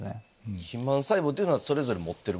肥満細胞はそれぞれ持ってる？